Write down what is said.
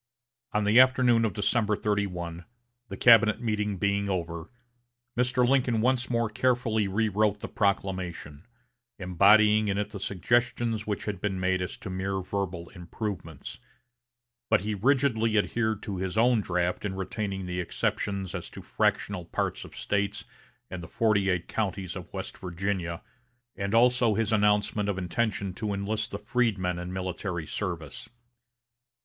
On the afternoon of December 31, the cabinet meeting being over, Mr. Lincoln once more carefully rewrote the proclamation, embodying in it the suggestions which had been made as to mere verbal improvements; but he rigidly adhered to his own draft in retaining the exceptions as to fractional parts of States and the forty eight counties of West Virginia; and also his announcement of intention to enlist the freedmen in military service.